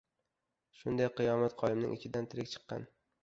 Shunday qiyomat-qoyimning ichidan tirik chiqqan